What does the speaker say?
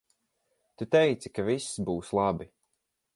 Tu teici ka viss būs labi.